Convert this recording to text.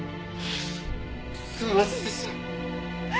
すみませんでした！